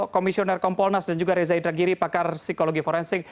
komisioner kompolnas dan juga reza indragiri pakar psikologi forensik